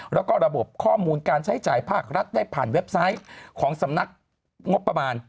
แล้วก็ระบบข้อมูลการใช้จ่ายภาครัฐได้ผ่านเว็บไซต์ของสำนักงบประมาณ